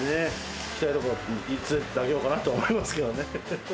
行きたいところに連れてってあげようかなって思いますけどね。